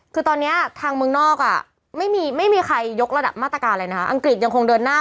คือตอนนี้ทางเมืองนอกไม่มีใครยกระดับมาตรการเลยนะคะอังกฤษยังคงเดินหน้า